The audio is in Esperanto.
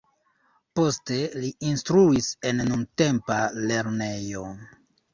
Poste li instruis en nuntempa lernejo.